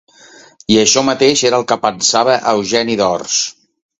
I això mateix era el que pensava Eugeni d'Ors.